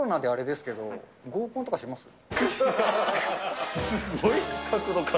すごい角度から。